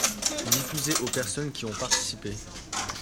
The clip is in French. Diffuser aux personnes qui ont participé.